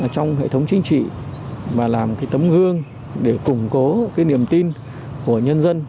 trong hệ thống chính trị và làm cái tấm gương để củng cố niềm tin của nhân dân